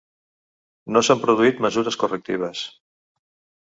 No s'han produït mesures correctives.